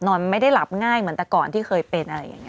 ไม่ได้หลับง่ายเหมือนแต่ก่อนที่เคยเป็นอะไรอย่างนี้